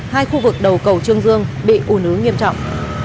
hai khu vực đầu cầu trương dương bị ủ nứ nghiêm trọng